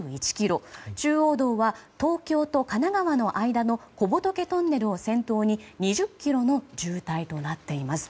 中央道は、東京と神奈川の間の小仏トンネルを先頭に２０ｋｍの渋滞となっています。